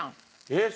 えっ？